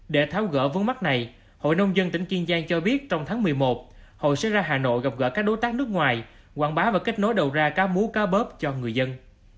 để tháo gỡ vướng mắt này hội nông dân tỉnh kiên giang cho biết trong tháng một mươi một hội sẽ ra hà nội gặp gỡ các đối tác nước ngoài quảng bá và kết nối đầu ra cá mú cá bớp cho người dân